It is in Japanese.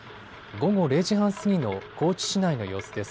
午後０時半過ぎの高知市内の様子です。